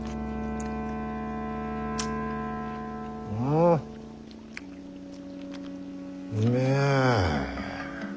おうめえ。